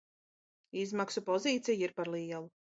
Izmaksu pozīcija ir par lielu.